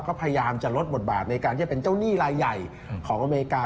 ก็พยายามจะลดบทบาทในการที่จะเป็นเจ้าหนี้รายใหญ่ของอเมริกา